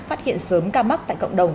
phát hiện sớm ca mắc tại cộng đồng